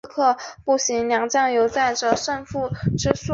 朝鲜战争是中华人民共和国建国以来的第一场对外战争。